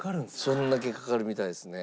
それだけかかるみたいですね。